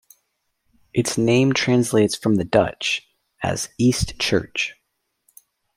Its name translates from the Dutch as "east church".